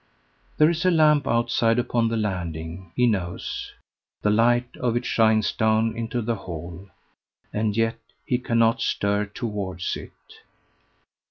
There is a lamp outside upon the landing, he knows the light of it shines down into the hall and yet he cannot stir towards it.